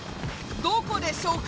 どこでしょうか？